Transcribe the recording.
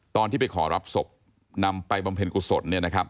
ตอนที่ไปขอรับศพนำไปบำเพ็ญกุศล